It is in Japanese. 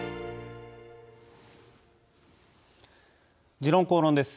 「時論公論」です。